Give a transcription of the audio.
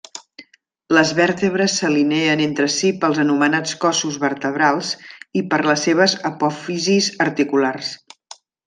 Les vèrtebres s'alineen entre si pels anomenats cossos vertebrals i per les seves apòfisis articulars.